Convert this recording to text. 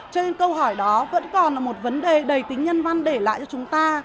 cho nên câu hỏi đó vẫn còn là một vấn đề đầy tính nhân văn để lại cho chúng ta